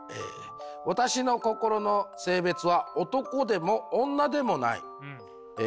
「私の心の性別は男でも女でもない。